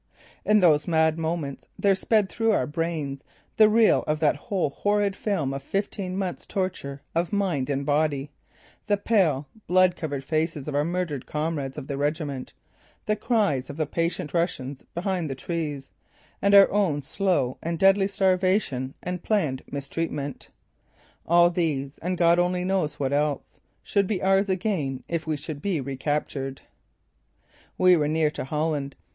In those mad moments there sped through our brains the reel of that whole horrid film of fifteen months' torture of mind and body; the pale, blood covered faces of our murdered comrades of the regiment, the cries of the patient Russians behind the trees, and our own slow and deadly starvation and planned mistreatment. All these, and God only knows what else, should be ours again if we should be recaptured. We were near to Holland.